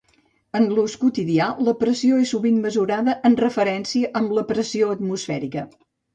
En l'ús quotidià, la pressió és sovint mesurada en referència amb la pressió atmosfèrica.